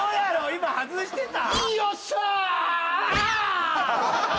今外してた？